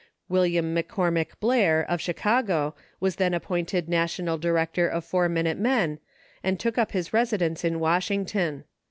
William McCormick Blair, of Chicago, was then ap pointed National Director of Four Minute Men and took up his residence in Washington.